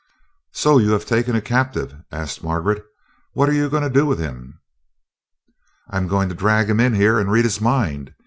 "So you have taken a captive?" asked Margaret. "What are you going to do with him?" "I'm going to drag him in here and read his mind.